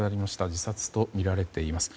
自殺とみられています。